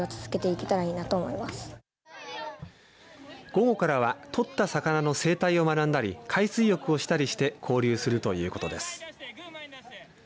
午後からはとった魚の生態を学んだり海水浴をしたりして交流するということです。